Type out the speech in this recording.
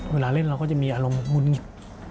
เวลาเล่นเราก็จะมีอารมณ์มึนหงิด